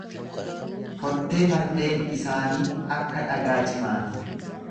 Kottee fardeen isaanii akka dhagaa cimaati.